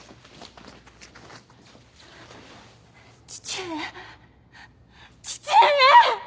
「父上父上！」